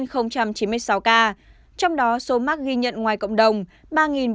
trong đó số mắc ghi nhận ngoài cộng đồng